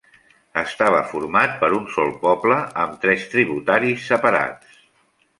Estava format per un sol poble, amb tres tributaris separats.